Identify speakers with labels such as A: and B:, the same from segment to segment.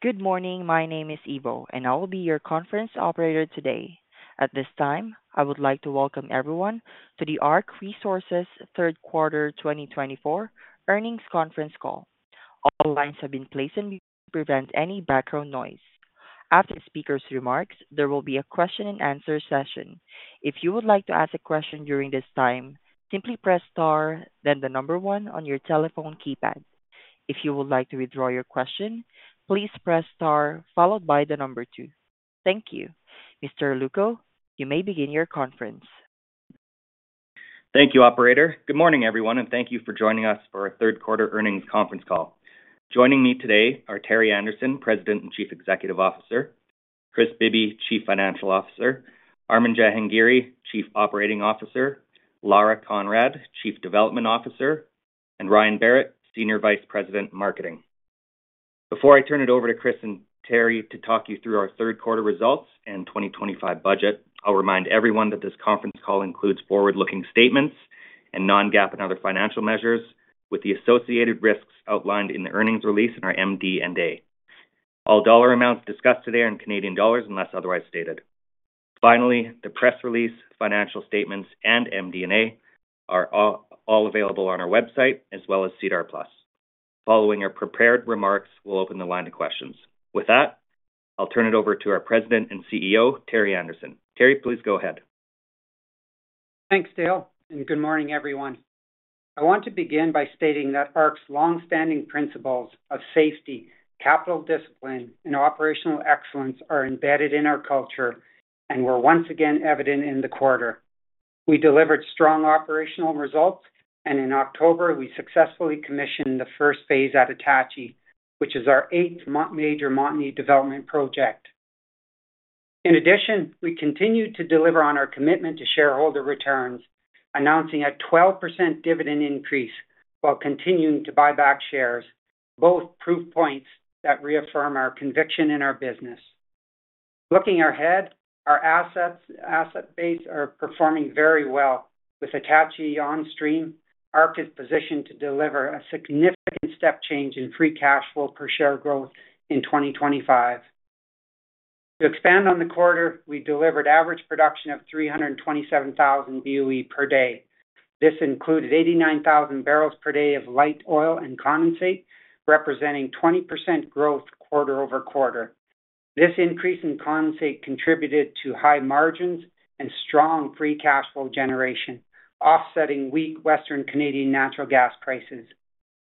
A: Good morning. My name is Ivo, and I will be your conference operator today. At this time, I would like to welcome everyone to the ARC Resources Third Quarter 2024 Earnings Conference Call. All lines have been placed on mute to prevent any background noise. After the speaker's remarks, there will be a question-and-answer session. If you would like to ask a question during this time, simply press star, then the number one on your telephone keypad. If you would like to withdraw your question, please press star followed by the number two. Thank you. Mr. Lewko, you may begin your conference.
B: Thank you, Operator. Good morning, everyone, and thank you for joining us for our Third Quarter Earnings Conference Call. Joining me today are Terry Anderson, President and Chief Executive Officer, Kris Bibby, Chief Financial Officer, Armin Jahangiri, Chief Operating Officer, Lara Conrad, Chief Development Officer, and Ryan Berrett, Senior Vice President, Marketing. Before I turn it over to Kris and Terry to talk you through our Third Quarter results and 2025 budget, I'll remind everyone that this conference call includes forward-looking statements and non-GAAP and other financial measures, with the associated risks outlined in the earnings release and our MD&A. All dollar amounts discussed today are in Canadian dollars unless otherwise stated. Finally, the press release, financial statements, and MD&A are all available on our website as well as SEDAR+. Following our prepared remarks, we'll open the line to questions. With that, I'll turn it over to our President and CEO, Terry Anderson. Terry, please go ahead.
C: Thanks, Dale, and good morning, everyone. I want to begin by stating that ARC's longstanding principles of safety, capital discipline, and operational excellence are embedded in our culture and were once again evident in the quarter. We delivered strong operational results, and in October, we successfully commissioned the first phase at Attachie, which is our eighth major Montney development project. In addition, we continue to deliver on our commitment to shareholder returns, announcing a 12% dividend increase while continuing to buy back shares, both proof points that reaffirm our conviction in our business. Looking ahead, our asset base is performing very well with Attachie on stream. ARC is positioned to deliver a significant step change in free cash flow per share growth in 2025. To expand on the quarter, we delivered average production of 327,000 boe/d. This included 89,000 bbl/d of light oil and condensate, representing 20% growth quarter over quarter. This increase in condensate contributed to high margins and strong free cash flow generation, offsetting weak Western Canadian natural gas prices.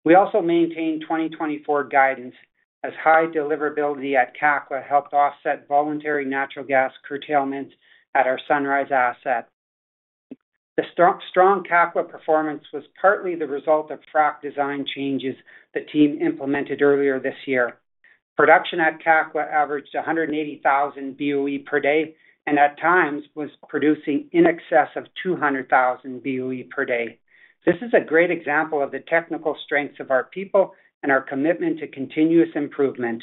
C: We also maintained 2024 guidance as high deliverability at Kakwa helped offset voluntary natural gas curtailments at our Sunrise asset. The strong Kakwa performance was partly the result of frac design changes the team implemented earlier this year. Production at Kakwa averaged 180,000 boe/d and at times was producing in excess of 200,000 boe/d. This is a great example of the technical strengths of our people and our commitment to continuous improvement.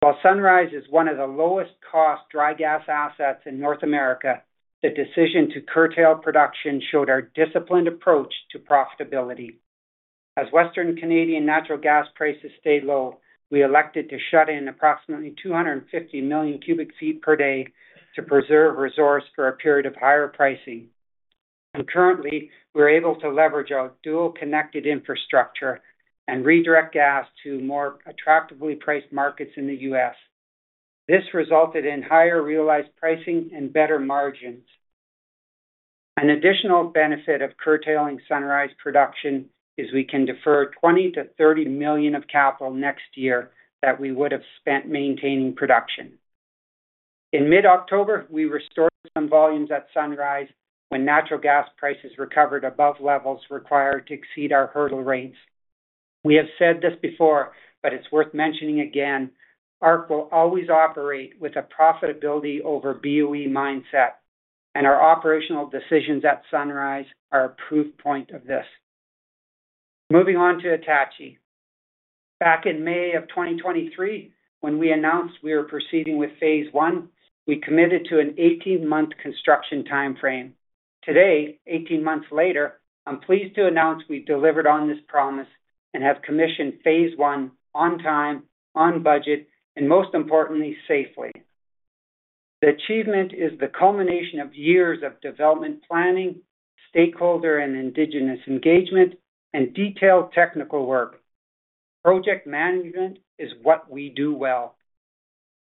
C: While Sunrise is one of the lowest cost dry gas assets in North America, the decision to curtail production showed our disciplined approach to profitability. As Western Canadian natural gas prices stayed low, we elected to shut in approximately 250 million cubic feet per day to preserve resource for a period of higher pricing. And currently, we're able to leverage our dual connected infrastructure and redirect gas to more attractively priced markets in the U.S. This resulted in higher realized pricing and better margins. An additional benefit of curtailing Sunrise production is we can defer 20-30 million of capital next year that we would have spent maintaining production. In mid-October, we restored some volumes at Sunrise when natural gas prices recovered above levels required to exceed our hurdle rates. We have said this before, but it's worth mentioning again, ARC will always operate with a profitability over BOE mindset, and our operational decisions at Sunrise are a proof point of this. Moving on to Attachie. Back in May of 2023, when we announced we were proceeding with Phase I, we committed to an 18-month construction timeframe. Today, 18 months later, I'm pleased to announce we delivered on this promise and have commissioned Phase I on time, on budget, and most importantly, safely. The achievement is the culmination of years of development planning, stakeholder and indigenous engagement, and detailed technical work. Project management is what we do well.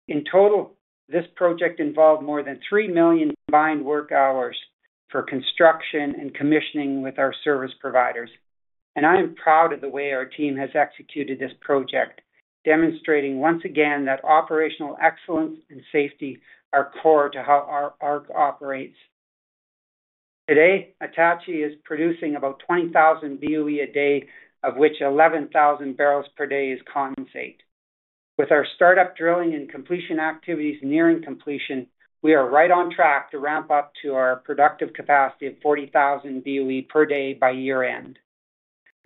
C: In total, this project involved more than 3 million combined work hours for construction and commissioning with our service providers, and I am proud of the way our team has executed this project, demonstrating once again that operational excellence and safety are core to how ARC operates. Today, Attachie is producing about 20,000 BOE a day, of which 11,000 bbl/d is condensate. With our startup drilling and completion activities nearing completion, we are right on track to ramp up to our productive capacity of 40,000 boe/d by year-end.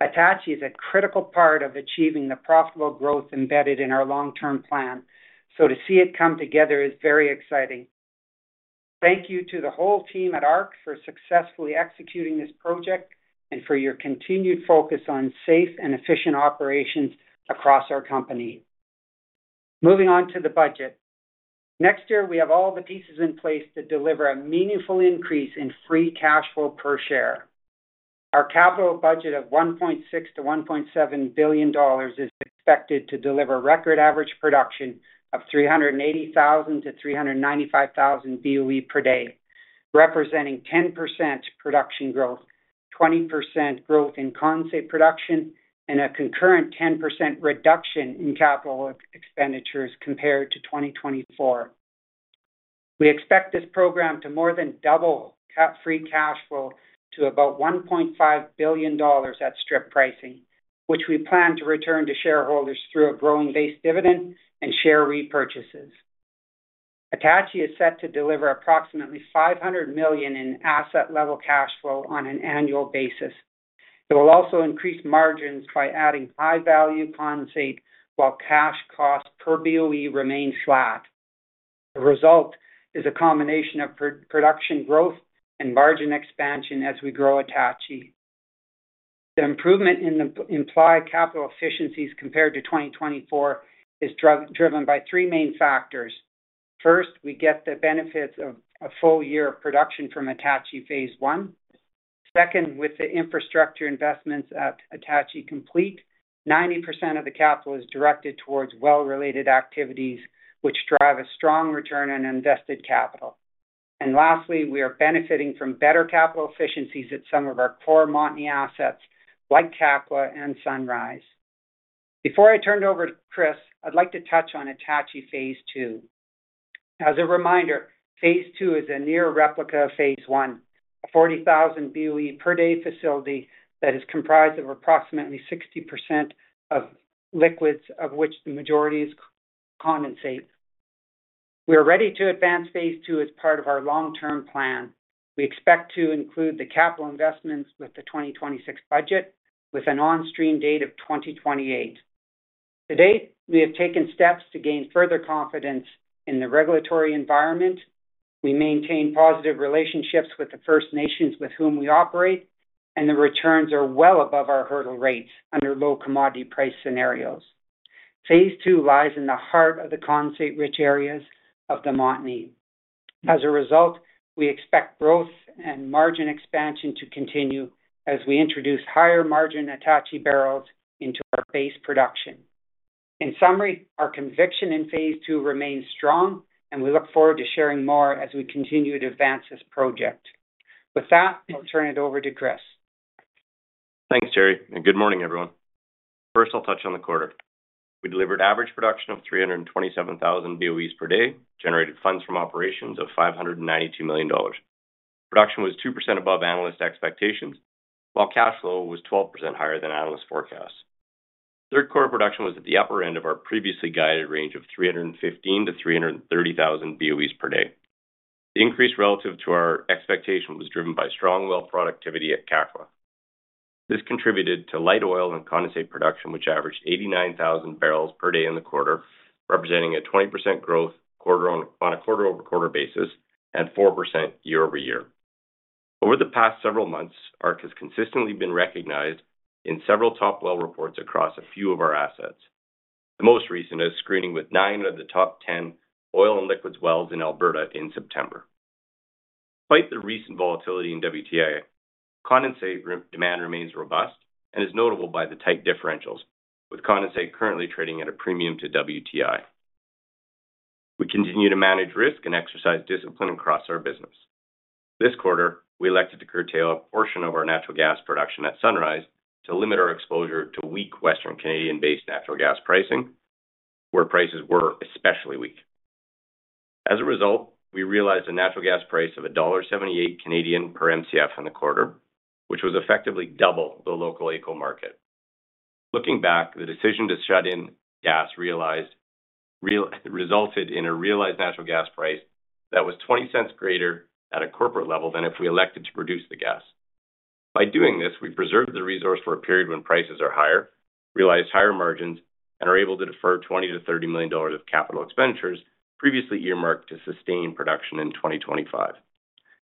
C: Attachie is a critical part of achieving the profitable growth embedded in our long-term plan, so to see it come together is very exciting. Thank you to the whole team at ARC for successfully executing this project and for your continued focus on safe and efficient operations across our company. Moving on to the budget. Next year, we have all the pieces in place to deliver a meaningful increase in free cash flow per share. Our capital budget of 1.6 billion-1.7 billion dollars is expected to deliver record average production of 380,000 boe/d-395,000 boe/d, representing 10% production growth, 20% growth in condensate production, and a concurrent 10% reduction in capital expenditures compared to 2024. We expect this program to more than double free cash flow to about 1.5 billion dollars at strip pricing, which we plan to return to shareholders through a growing base dividend and share repurchases. Attachie is set to deliver approximately 500 million in asset-level cash flow on an annual basis. It will also increase margins by adding high-value condensate while cash costs per BOE remain flat. The result is a combination of production growth and margin expansion as we grow Attachie. The improvement in the implied capital efficiencies compared to 2024 is driven by three main factors. First, we get the benefits of a full year of production from Attachie Phase I. Second, with the infrastructure investments at Attachie complete, 90% of the capital is directed towards well-related activities, which drive a strong return on invested capital. Lastly, we are benefiting from better capital efficiencies at some of our core Montney assets like Kakwa and Sunrise. Before I turn it over to Kris, I'd like to touch on Attachie Phase II. As a reminder, Phase II is a near replica of Phase I, a 40,000 boe/d facility that is comprised of approximately 60% of liquids, of which the majority is condensate. We are ready to advance Phase II as part of our long-term plan. We expect to include the capital investments with the 2026 budget with an on-stream date of 2028. To date, we have taken steps to gain further confidence in the regulatory environment. We maintain positive relationships with the First Nations with whom we operate, and the returns are well above our hurdle rates under low commodity price scenarios. Phase II lies in the heart of the condensate-rich areas of the Montney. As a result, we expect growth and margin expansion to continue as we introduce higher margin Attachie barrels into our base production. In summary, our conviction in Phase II remains strong, and we look forward to sharing more as we continue to advance this project. With that, I'll turn it over to Kris.
D: Thanks, Terry. And good morning, everyone. First, I'll touch on the quarter. We delivered average production of 327,000 boe/d, generated funds from operations of 592 million dollars. Production was 2% above analyst expectations, while cash flow was 12% higher than analyst forecasts. Third quarter production was at the upper end of our previously guided range of 315,000 boe/d-330,000 boe/d. The increase relative to our expectation was driven by strong well productivity at Kakwa. This contributed to light oil and condensate production, which averaged 89,000 bbl/d in the quarter, representing a 20% growth on a quarter-over-quarter basis and 4% year-over-year. Over the past several months, ARC has consistently been recognized in several top well reports across a few of our assets. The most recent is scoring with nine of the top 10 oil and liquids wells in Alberta in September. Despite the recent volatility in WTI, condensate demand remains robust and is notable by the tight differentials, with condensate currently trading at a premium to WTI. We continue to manage risk and exercise discipline across our business. This quarter, we elected to curtail a portion of our natural gas production at Sunrise to limit our exposure to weak Western Canadian-based natural gas pricing, where prices were especially weak. As a result, we realized a natural gas price of 1.78 Canadian dollars per Mcf in the quarter, which was effectively double the local AECO market. Looking back, the decision to shut in gas resulted in a realized natural gas price that was $0.20 greater at a corporate level than if we elected to produce the gas. By doing this, we preserved the resource for a period when prices are higher, realized higher margins, and are able to defer 20 million-30 million dollars of capital expenditures previously earmarked to sustain production in 2025.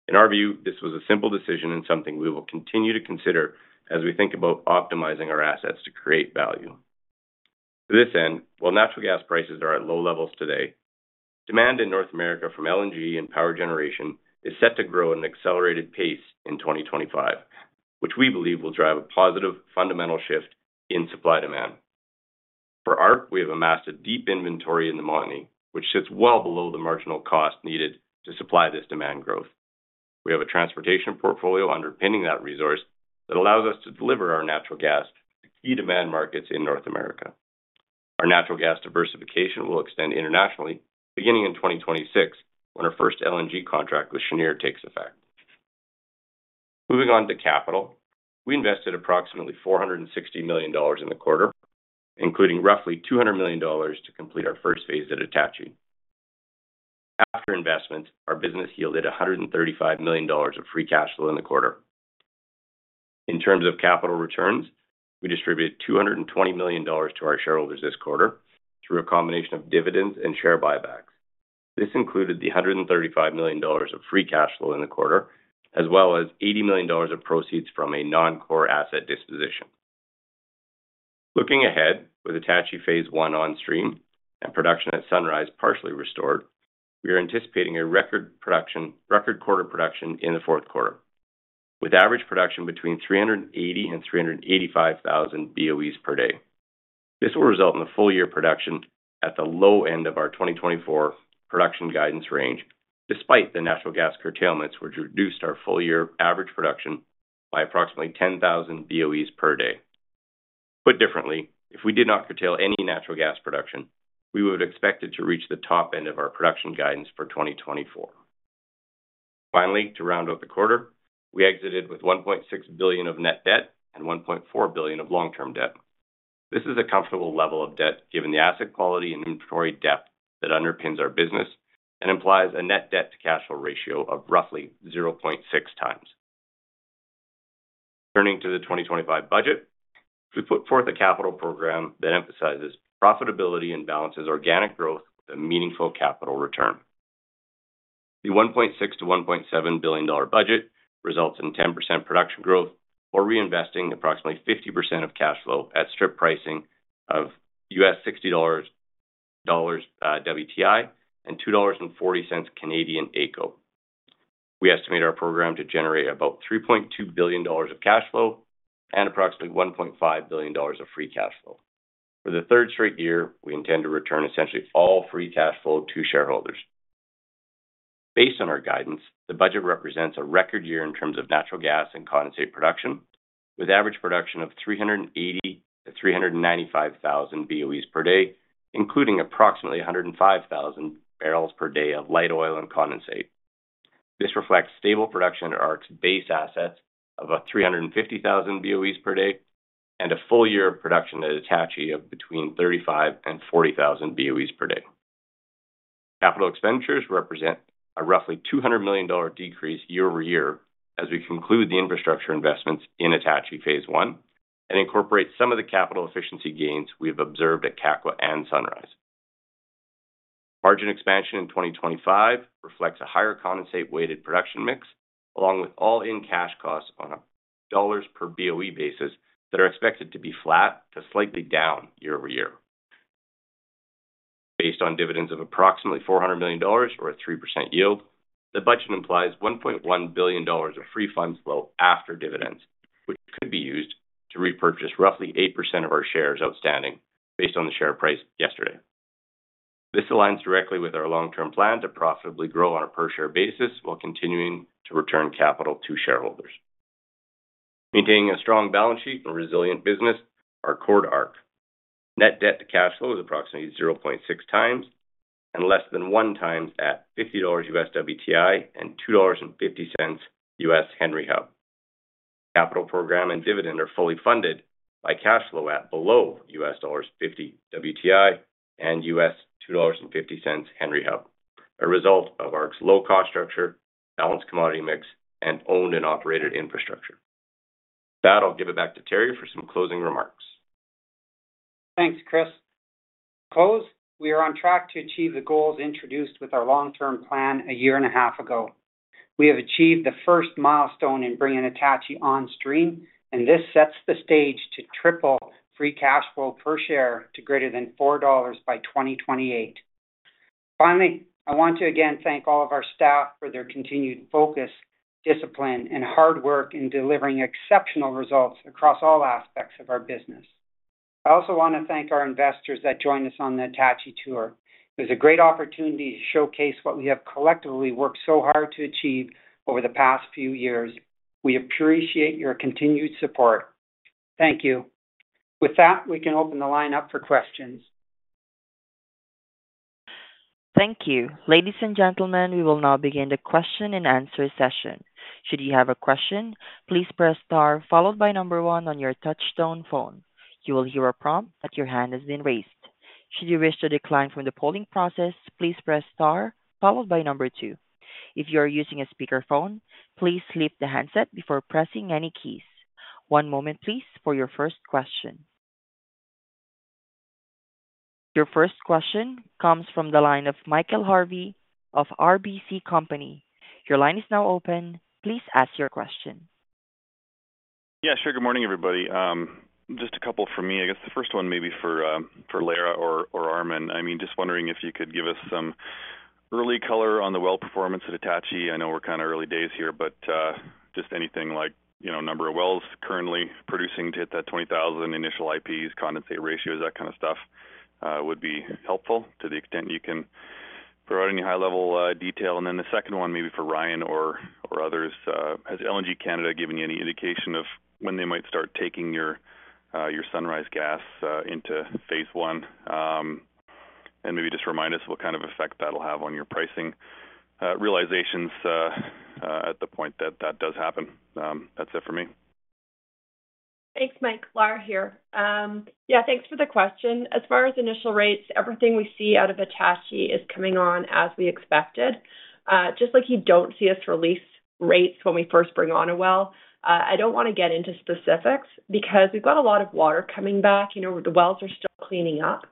D: In our view, this was a simple decision and something we will continue to consider as we think about optimizing our assets to create value. To this end, while natural gas prices are at low levels today, demand in North America from LNG and power generation is set to grow at an accelerated pace in 2025, which we believe will drive a positive fundamental shift in supply demand. For ARC, we have amassed a deep inventory in the Montney, which sits well below the marginal cost needed to supply this demand growth. We have a transportation portfolio underpinning that resource that allows us to deliver our natural gas to key demand markets in North America. Our natural gas diversification will extend internationally beginning in 2026 when our first LNG contract with Cheniere takes effect. Moving on to capital, we invested approximately 460 million dollars in the quarter, including roughly 200 million dollars to complete our first phase at Attachie. After investment, our business yielded 135 million dollars of free cash flow in the quarter. In terms of capital returns, we distributed 220 million dollars to our shareholders this quarter through a combination of dividends and share buybacks. This included the 135 million dollars of free cash flow in the quarter, as well as 80 million dollars of proceeds from a non-core asset disposition. Looking ahead, with Attachie Phase I on stream and production at Sunrise partially restored, we are anticipating a record quarter production in the fourth quarter, with average production between 380,000 boe/d and 385,000 boe/d. This will result in the full year production at the low end of our 2024 production guidance range, despite the natural gas curtailments, which reduced our full year average production by approximately 10,000 boe/d. Put differently, if we did not curtail any natural gas production, we would have expected to reach the top end of our production guidance for 2024. Finally, to round out the quarter, we exited with 1.6 billion of net debt and 1.4 billion of long-term debt. This is a comfortable level of debt given the asset quality and inventory depth that underpins our business and implies a net debt to cash flow ratio of roughly 0.6 times. Turning to the 2025 budget, we put forth a capital program that emphasizes profitability and balances organic growth with a meaningful capital return. The 1.6billion-1.7 billion dollar budget results in 10% production growth or reinvesting approximately 50% of cash flow at strip pricing of $60 WTI and 2.40 Canadian dollars AECO. We estimate our program to generate about 3.2 billion dollars of cash flow and approximately 1.5 billion dollars of free cash flow. For the third straight year, we intend to return essentially all free cash flow to shareholders. Based on our guidance, the budget represents a record year in terms of natural gas and condensate production, with average production of 380,000 boe/d-395,000 boe/d, including approximately 105,000 bbl/d of light oil and condensate. This reflects stable production at ARC's base assets of 350,000 boe/d and a full year of production at Attachie of between 35,000 boe/d and 40,000 boe/d. Capital expenditures represent a roughly CAD 200 million decrease year-over-year as we conclude the infrastructure investments in Attachie Phase I and incorporate some of the capital efficiency gains we have observed at Kakwa and Sunrise. Margin expansion in 2025 reflects a higher condensate-weighted production mix, along with all-in cash costs on a dollars-per-BOE basis that are expected to be flat to slightly down year-over-year. Based on dividends of approximately 400 million dollars or a 3% yield, the budget implies 1.1 billion dollars of free funds flow after dividends, which could be used to repurchase roughly 8% of our shares outstanding based on the share price yesterday. This aligns directly with our long-term plan to profitably grow on a per-share basis while continuing to return capital to shareholders. Maintaining a strong balance sheet and resilient business, our core to ARC's net debt to cash flow is approximately 0.6 times and less than one times at $50 U.S. WTI and $2.50 U.S. Henry Hub. Capital program and dividend are fully funded by cash flow at below $50 U.S. WTI and $2.50 U.S. Henry Hub, a result of ARC's low-cost structure, balanced commodity mix, and owned and operated infrastructure. With that, I'll give it back to Terry for some closing remarks.
C: Thanks, Kris. To close, we are on track to achieve the goals introduced with our long-term plan a year and a half ago. We have achieved the first milestone in bringing Attachie on stream, and this sets the stage to triple free cash flow per share to greater than 4.00 dollars by 2028. Finally, I want to again thank all of our staff for their continued focus, discipline, and hard work in delivering exceptional results across all aspects of our business. I also want to thank our investors that joined us on the Attachie tour. It was a great opportunity to showcase what we have collectively worked so hard to achieve over the past few years. We appreciate your continued support. Thank you. With that, we can open the line up for questions.
A: Thank you. Ladies and gentlemen, we will now begin the question and answer session. Should you have a question, please press star followed by number one on your touch-tone phone. You will hear a prompt that your hand has been raised. Should you wish to decline from the polling process, please press star followed by number two. If you are using a speakerphone, please lift the handset before pressing any keys. One moment, please, for your first question. Your first question comes from the line of Michael Harvey of RBC Capital Markets. Your line is now open. Please ask your question.
E: Yeah, sure. Good morning, everybody. Just a couple for me. I guess the first one maybe for Lara or Armin. I mean, just wondering if you could give us some early color on the well performance at Attachie. I know we're kind of early days here, but just anything like number of wells currently producing to hit that 20,000 initial IPs, condensate ratios, that kind of stuff would be helpful to the extent you can throw out any high-level detail. And then the second one maybe for Ryan or others. Has LNG Canada given you any indication of when they might start taking your Sunrise gas into Phase I? And maybe just remind us what kind of effect that'll have on your pricing realizations at the point that that does happen. That's it for me.
F: Thanks, Mike. Lara here. Yeah, thanks for the question. As far as initial rates, everything we see out of Attachie is coming on as we expected. Just like you don't see us release rates when we first bring on a well, I don't want to get into specifics because we've got a lot of water coming back. The wells are still cleaning up.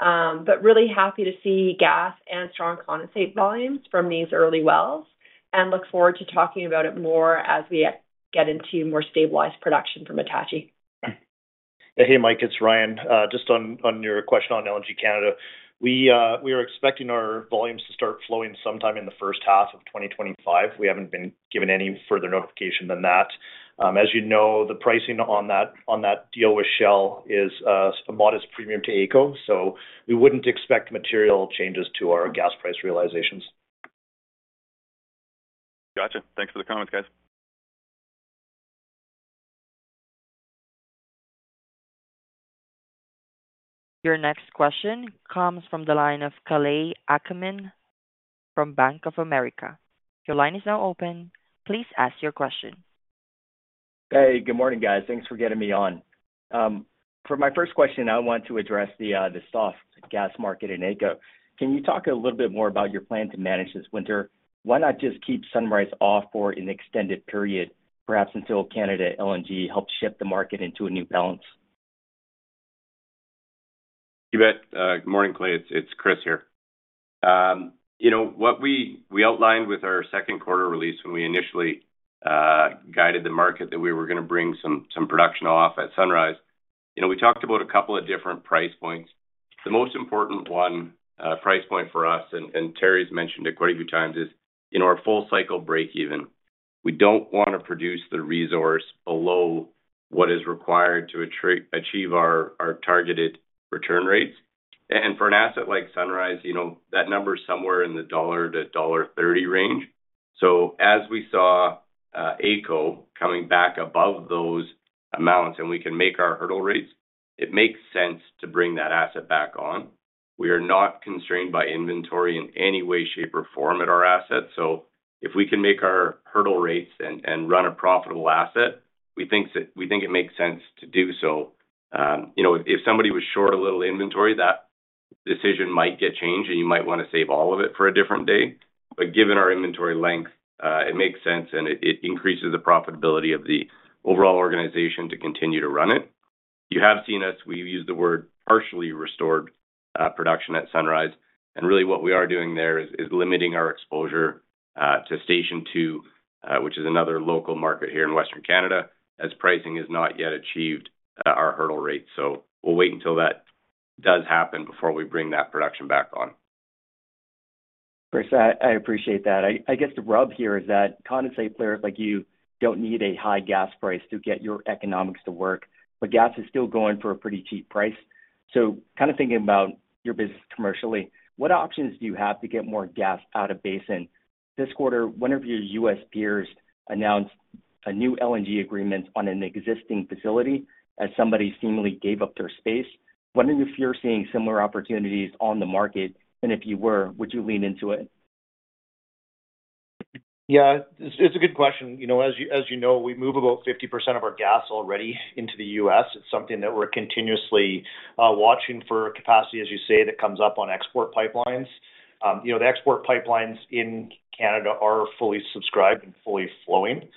F: But really happy to see gas and strong condensate volumes from these early wells and look forward to talking about it more as we get into more stabilized production from Attachie.
G: Yeah, hey, Mike. It's Ryan. Just on your question on LNG Canada, we are expecting our volumes to start flowing sometime in the first half of 2025. We haven't been given any further notification than that. As you know, the pricing on that deal with Shell is a modest premium to AECO, so we wouldn't expect material changes to our gas price realizations.
E: Gotcha. Thanks for the comments, guys.
A: Your next question comes from the line of Kalei Akamine from Bank of America. Your line is now open. Please ask your question.
H: Hey, good morning, guys. Thanks for getting me on. For my first question, I want to address the soft gas market in AECO. Can you talk a little bit more about your plan to manage this winter? Why not just keep Sunrise off for an extended period, perhaps until LNG Canada helps shift the market into a new balance?
D: You bet. Good morning, Kalei. It's Kris here. What we outlined with our second quarter release when we initially guided the market that we were going to bring some production off at Sunrise, we talked about a couple of different price points. The most important one price point for us, and Terry's mentioned it quite a few times, is our full cycle break-even. We don't want to produce the resource below what is required to achieve our targeted return rates, and for an asset like Sunrise, that number is somewhere in the 1.00-1.30 dollar range. So as we saw AECO coming back above those amounts and we can make our hurdle rates, it makes sense to bring that asset back on. We are not constrained by inventory in any way, shape, or form at our asset. So if we can make our hurdle rates and run a profitable asset, we think it makes sense to do so. If somebody was short a little inventory, that decision might get changed and you might want to save all of it for a different day. But given our inventory length, it makes sense and it increases the profitability of the overall organization to continue to run it. You have seen us, we've used the word partially restored production at Sunrise. And really what we are doing there is limiting our exposure to Station 2, which is another local market here in Western Canada, as pricing has not yet achieved our hurdle rate. So we'll wait until that does happen before we bring that production back on.
H: Kris, I appreciate that. I guess the rub here is that condensate players like you don't need a high gas price to get your economics to work, but gas is still going for a pretty cheap price. So kind of thinking about your business commercially, what options do you have to get more gas out of basin? This quarter, one of your U.S. peers announced a new LNG agreement on an existing facility as somebody seemingly gave up their space. Wondering if you're seeing similar opportunities on the market, and if you were, would you lean into it?
G: Yeah, it's a good question. As you know, we move about 50% of our gas already into the U.S. It's something that we're continuously watching for capacity, as you say, that comes up on export pipelines. The export pipelines in Canada are fully subscribed and fully flowing.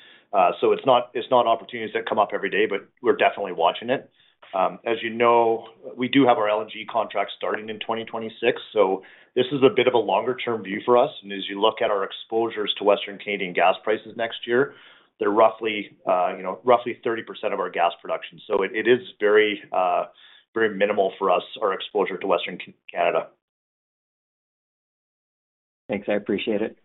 G: So it's not opportunities that come up every day, but we're definitely watching it. As you know, we do have our LNG contract starting in 2026. So this is a bit of a longer-term view for us. And as you look at our exposures to Western Canadian gas prices next year, they're roughly 30% of our gas production. So it is very minimal for us, our exposure to Western Canada.
H: Thanks. I appreciate it.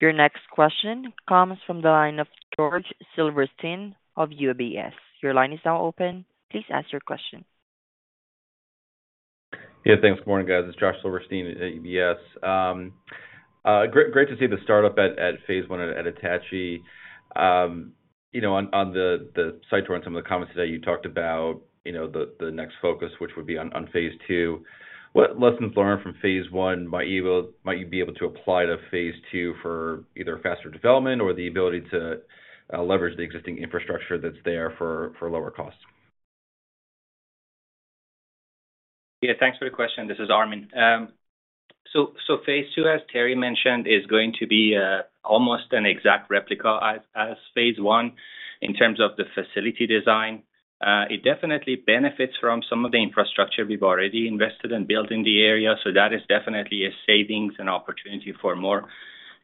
G: Yep.
A: Your next question comes from the line of Josh Silverstein of UBS. Your line is now open. Please ask your question.
I: Yeah, thanks. Good morning, guys. It's Josh Silverstein at UBS. Great to see the startup at Phase I at Attachie. On the site tour, in some of the comments today, you talked about the next focus, which would be on Phase II. What lessons learned from Phase I might you be able to apply to Phase II for either faster development or the ability to leverage the existing infrastructure that's there for lower costs?
J: Yeah, thanks for the question. This is Armin. So Phase II, as Terry mentioned, is going to be almost an exact replica as Phase I in terms of the facility design. It definitely benefits from some of the infrastructure we've already invested in building the area. So that is definitely a savings and opportunity for more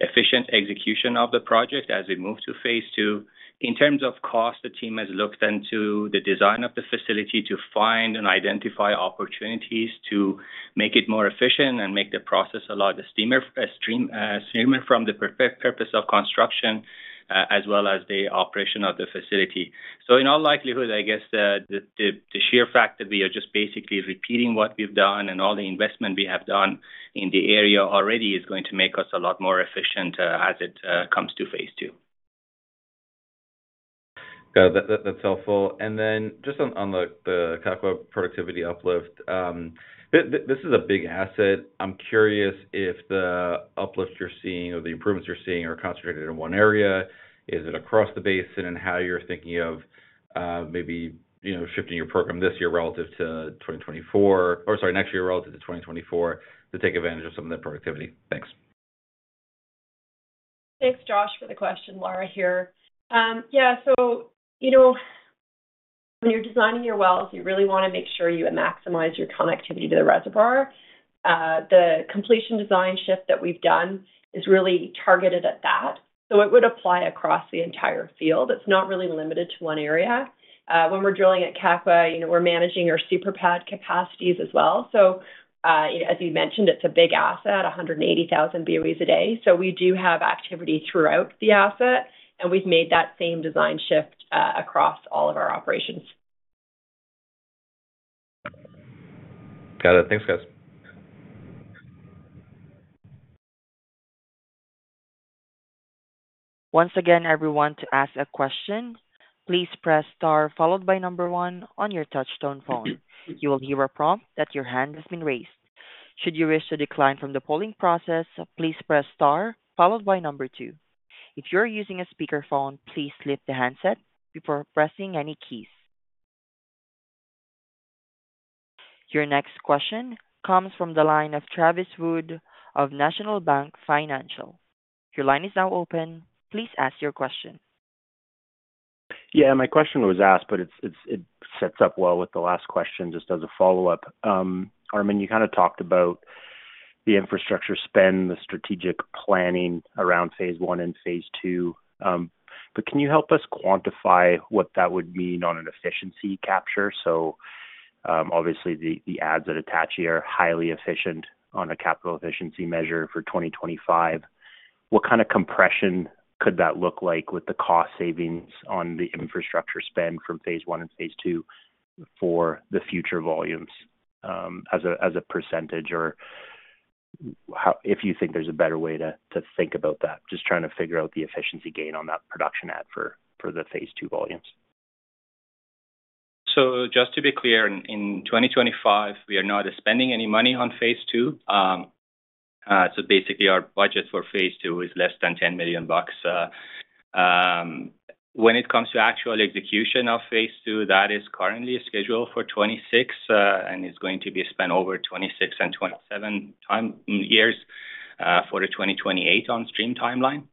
J: efficient execution of the project as we move to Phase II. In terms of cost, the team has looked into the design of the facility to find and identify opportunities to make it more efficient and make the process a lot streamlined for the purpose of construction as well as the operation of the facility. So in all likelihood, I guess the sheer fact that we are just basically repeating what we've done and all the investment we have done in the area already is going to make us a lot more efficient as it comes to Phase II.
I: Yeah, that's helpful. And then just on the Kakwa productivity uplift, this is a big asset. I'm curious if the uplift you're seeing or the improvements you're seeing are concentrated in one area. Is it across the basin and how you're thinking of maybe shifting your program this year relative to 2024 or, sorry, next year relative to 2024 to take advantage of some of that productivity? Thanks.
F: Thanks, Josh, for the question. Lara here. Yeah, so when you're designing your wells, you really want to make sure you maximize your connectivity to the reservoir. The completion design shift that we've done is really targeted at that. So it would apply across the entire field. It's not really limited to one area. When we're drilling at Kakwa, we're managing our super pad capacities as well. So as you mentioned, it's a big asset, 180,000 boe/d. So we do have activity throughout the asset, and we've made that same design shift across all of our operations.
I: Got it. Thanks, guys.
A: Once again, everyone to ask a question, please press star followed by number one on your touch-tone phone. You will hear a prompt that your hand has been raised. Should you wish to decline from the polling process, please press star followed by number two. If you're using a speakerphone, please lift the handset before pressing any keys. Your next question comes from the line of Travis Wood of National Bank Financial. Your line is now open. Please ask your question.
K: Yeah, my question was asked, but it sets up well with the last question just as a follow-up. Armin, you kind of talked about the infrastructure spend, the strategic planning around Phase I and Phase II. But can you help us quantify what that would mean on an efficiency capture? So obviously, the adds at Attachie are highly efficient on a capital efficiency measure for 2025. What kind of compression could that look like with the cost savings on the infrastructure spend from Phase I and Phase II for the future volumes as a percentage or if you think there's a better way to think about that, just trying to figure out the efficiency gain on that production add for the Phase II volumes?
J: So just to be clear, in 2025, we are not spending any money on Phase II. So basically, our budget for Phase II is less than 10 million bucks. When it comes to actual execution of Phase II, that is currently scheduled for 2026 and is going to be spent over 2026 and 2027 for the 2028 on-stream timeline.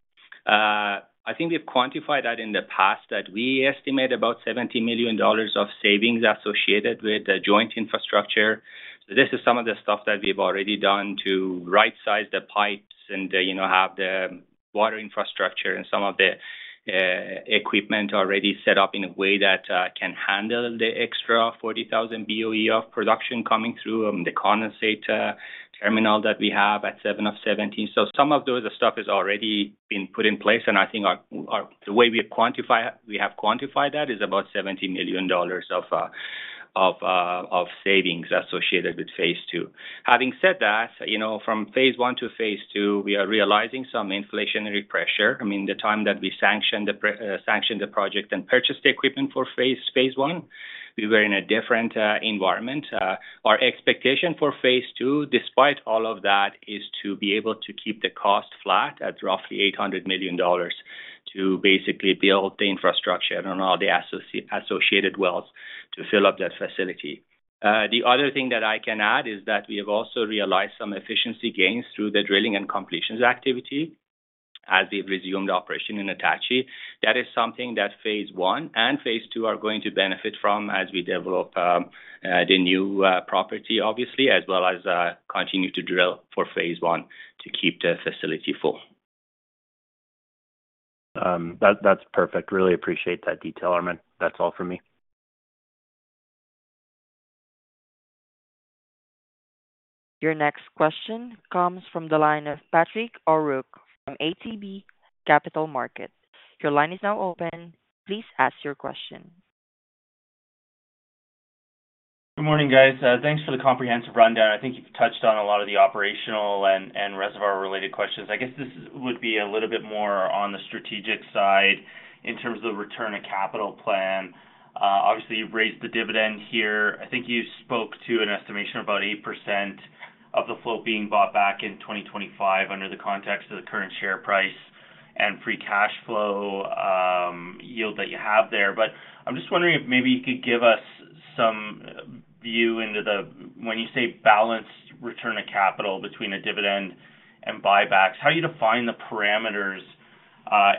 J: I think we've quantified that in the past that we estimate about 70 million dollars of savings associated with the joint infrastructure. This is some of the stuff that we've already done to right-size the pipes and have the water infrastructure and some of the equipment already set up in a way that can handle the extra 40,000 BOE of production coming through the condensate terminal that we have at 7 of 17. So some of those stuff has already been put in place. I think the way we have quantified that is about $70 million of savings associated with Phase II. Having said that, from Phase I to Phase II, we are realizing some inflationary pressure. I mean, the time that we sanctioned the project and purchased the equipment for Phase I, we were in a different environment. Our expectation for Phase II, despite all of that, is to be able to keep the cost flat at roughly $800 million to basically build the infrastructure and all the associated wells to fill up that facility. The other thing that I can add is that we have also realized some efficiency gains through the drilling and completions activity as we've resumed operation in Attachie. That is something that Phase I and Phase II are going to benefit from as we develop the new property, obviously, as well as continue to drill for phase I to keep the facility full.
K: That's perfect. Really appreciate that detail, Armin. That's all for me.
A: Your next question comes from the line of Patrick O'Rourke from ATB Capital Markets. Your line is now open. Please ask your question.
L: Good morning, guys. Thanks for the comprehensive rundown. I think you've touched on a lot of the operational and reservoir-related questions. I guess this would be a little bit more on the strategic side in terms of the return of capital plan. Obviously, you've raised the dividend here. I think you spoke to an estimation of about 8% of the flow being bought back in 2025 under the context of the current share price and free cash flow yield that you have there. But I'm just wondering if maybe you could give us some view into the, when you say balanced return of capital between a dividend and buybacks, how do you define the parameters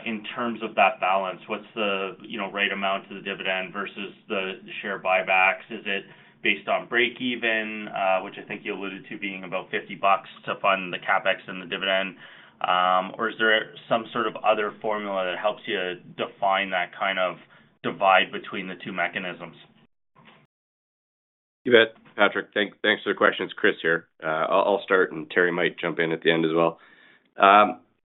L: in terms of that balance? What's the right amount to the dividend versus the share buybacks? Is it based on break-even, which I think you alluded to being about 50 bucks to fund the CapEx and the dividend? Or is there some sort of other formula that helps you define that kind of divide between the two mechanisms?
D: You bet, Patrick. Thanks for the questions. Kris here. I'll start, and Terry might jump in at the end as well.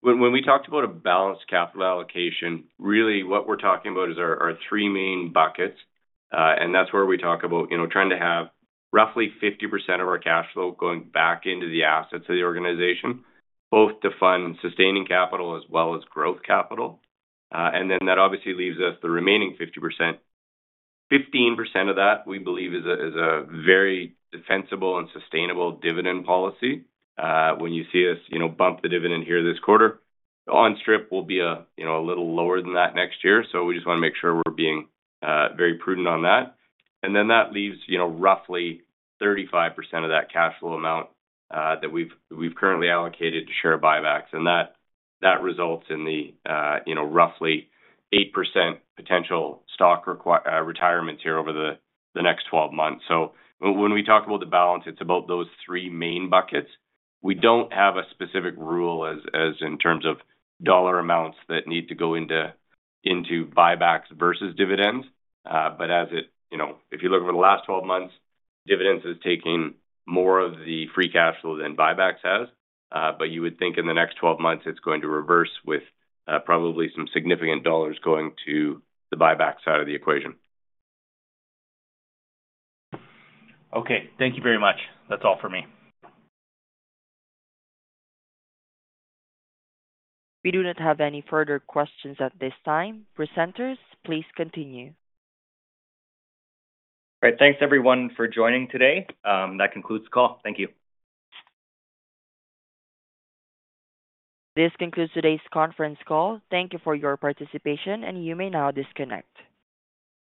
D: When we talked about a balanced capital allocation, really what we're talking about is our three main buckets. And that's where we talk about trying to have roughly 50% of our cash flow going back into the assets of the organization, both to fund sustaining capital as well as growth capital. And then that obviously leaves us the remaining 15% of that we believe is a very defensible and sustainable dividend policy. When you see us bump the dividend here this quarter, on strip will be a little lower than that next year. So we just want to make sure we're being very prudent on that. And then that leaves roughly 35% of that cash flow amount that we've currently allocated to share buybacks. And that results in the roughly 8% potential stock retirement here over the next 12 months. So when we talk about the balance, it's about those three main buckets. We don't have a specific rule in terms of dollar amounts that need to go into buybacks versus dividends. But if you look over the last 12 months, dividends is taking more of the free cash flow than buybacks has. But you would think in the next 12 months, it's going to reverse with probably some significant dollars going to the buyback side of the equation.
L: Okay. Thank you very much. That's all for me.
A: We do not have any further questions at this time. Presenters, please continue.
B: All right. Thanks, everyone, for joining today. That concludes the call. Thank you.
A: This concludes today's conference call. Thank you for your participation, and you may now disconnect.